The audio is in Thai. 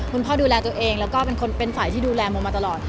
คุณพ่อดูแลตัวเองและเป็นฝ่ายที่ดูแลโหมกมาตลอด